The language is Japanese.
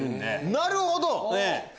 なるほど！